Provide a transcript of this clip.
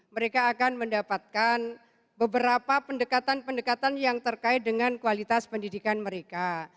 mereka akan mendapatkan beberapa pendekatan pendekatan yang terkait dengan kualitas pendidikan mereka